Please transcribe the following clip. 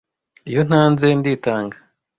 Iyo ntanze nditanga.